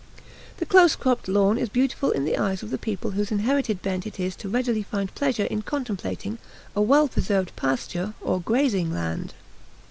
The close cropped lawn is beautiful in the eyes of a people whose inherited bent it is to readily find pleasure in contemplating a well preserved pasture or grazing land.